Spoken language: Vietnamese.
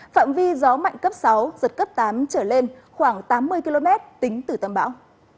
phạm vi gió mạnh cấp sáu giật cấp tám trở lên khoảng tám mươi km tính từ tâm bão